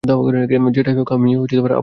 যেটাই হোক, আমি আপত্তি জানাই!